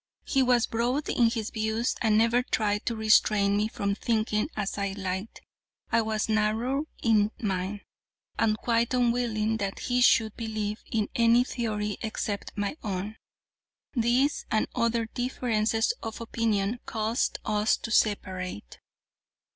"'He was broad in his views and never tried to restrain me from thinking as I liked. I was narrow in mine, and quite unwilling that he should believe in any theory except my own. "'These and other differences of opinion caused us to separate.